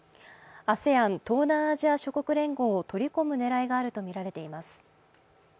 ＡＳＥＡＮ＝東南アジア諸国連合を取り込む狙いがあるとみられています。